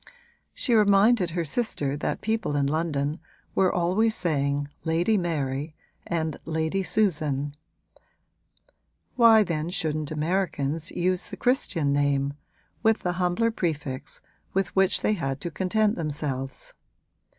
She reminded her sister that people in London were always saying Lady Mary and Lady Susan: why then shouldn't Americans use the Christian name, with the humbler prefix with which they had to content themselves?